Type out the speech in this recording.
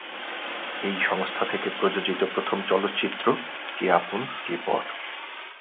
এই সংস্থা থেকে প্রযোজিত প্রথম চলচ্চিত্র "কে আপন কে পর"।